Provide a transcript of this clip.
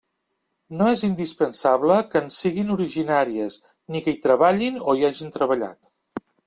No és indispensable que en siguin originàries, ni que hi treballin o hi hagin treballat.